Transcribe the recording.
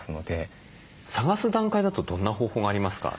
探す段階だとどんな方法がありますか？